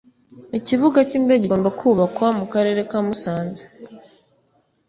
ikibuga cy’indege kigomba kubakwa mu Karere ka Musanze